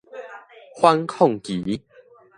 反抗期